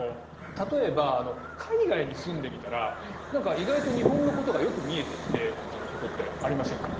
例えば海外に住んでみたら何か意外と日本のことがよく見えてきてみたいなことってありませんか？